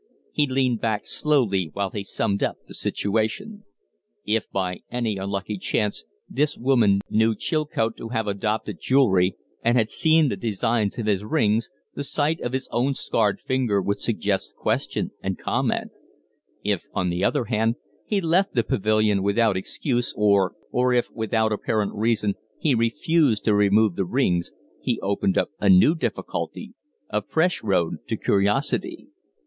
He leaned back slowly, while he summed up the situation. If by any unlucky chance this woman knew Chilcote to have adopted jewelry and had seen the designs of his rings, the sight of his own scarred finger would suggest question and comment; if, on the other hand, he left the pavilion without excuse, or if, without apparent reason, he refused to remove the rings, he opened up a new difficulty a fresh road to curiosity.